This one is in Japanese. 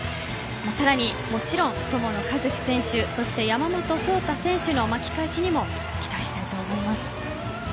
更に、もちろん友野一希選手そして山本草太選手の巻き返しにも期待したいと思います。